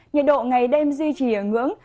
nhiệt độ ngày đêm duy trì ở ngưỡng